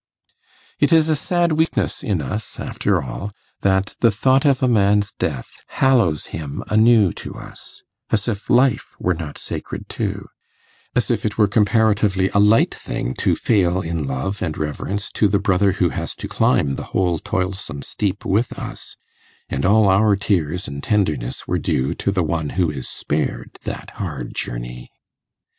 It is a sad weakness in us, after all, that the thought of a man's death hallows him anew to us; as if life were not sacred too as if it were comparatively a light thing to fail in love and reverence to the brother who has to climb the whole toilsome steep with us, and all our tears and tenderness were due to the one who is spared that hard journey.